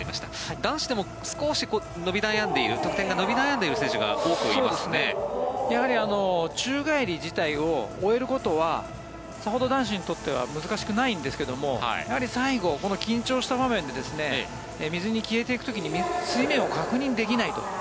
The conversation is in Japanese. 男子でも少し得点が伸び悩んでいる選手がやはり宙返り自体を終えることはさほど男子にとっては難しくないんですがやはり最後の緊張した場面で水に消えていく時に水面を確認できないと。